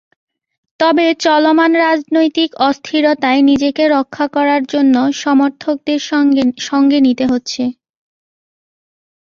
তবে চলমান রাজনৈতিক অস্থিরতায় নিজেকে রক্ষা করার জন্য সমর্থকদের সঙ্গে নিতে হচ্ছে।